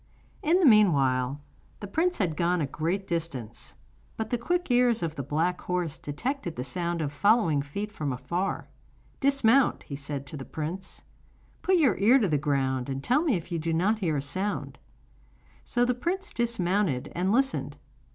In the meanwhile the prince had gone a great distance; but the quick ears of the black horse detected the sound of following feet from afar. 'Dismount,' he said to the prince; 'put your ear to the ground, and tell me if you do not hear a sound.' So the prince dismounted and listened.